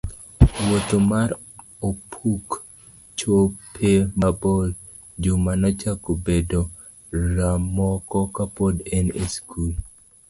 Wuoth mar opuk, chope mabor, Juma nochako bedo ramoko kapod en e skul.